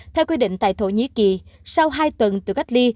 theo quy định tại thổ nhĩ kỳ sau hai tuần tự cách ly